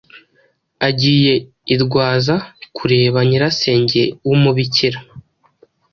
agiye i Rwaza kureba nyirasenge w'umubikira.